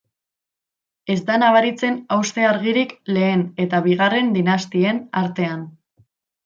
Ez da nabaritzen hauste argirik lehen eta bigarren dinastien artean.